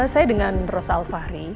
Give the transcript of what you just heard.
saya dengan rosal fahri